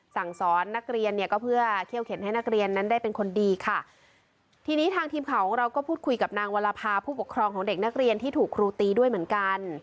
สั่งสอนนักเรียนเนี่ยก็เพื่อเขี้ยวเข็นให้นักเรียนนั้นได้เป็นคนดีค่ะทีนี้ทางทีมข่าวของเราก็พูดคุยกับนางวรภาผู้ปกครองของเด็กนักเรียนที่ถูกครูตีด้วยเหมือนกัน